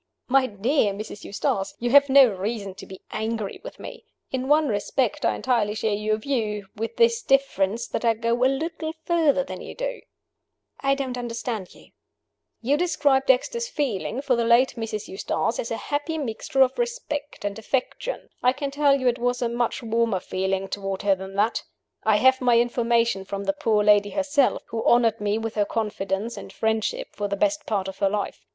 "My dear Mrs. Eustace, you have no reason to be angry with me. In one respect, I entirely share your view with this difference, that I go a little further than you do." "I don't understand you." "You will understand me directly. You describe Dexter's feeling for the late Mrs. Eustace as a happy mixture of respect and affection. I can tell you it was a much warmer feeling toward her than that. I have my information from the poor lady herself who honored me with her confidence and friendship for the best part of her life.